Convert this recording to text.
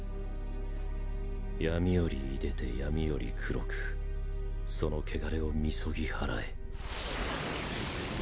闇より出でて闇より黒くその穢れを禊ぎ祓え。